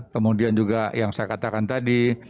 kemudian juga yang saya katakan tadi